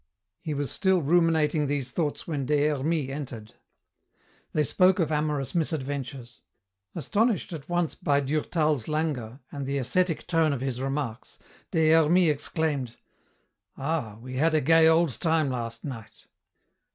He was still ruminating these thoughts when Des Hermies entered. They spoke of amorous misadventures. Astonished at once by Durtal's languor and the ascetic tone of his remarks, Des Hermies exclaimed, "Ah, we had a gay old time last night?"